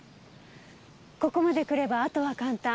ここまでくればあとは簡単。